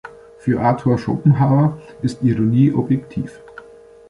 Für Arthur Schopenhauer ist Ironie objektiv.